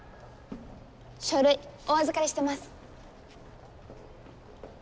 書類お預かりしてます。